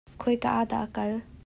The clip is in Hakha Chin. Khoi ka ah dah a kal?